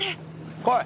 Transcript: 来い！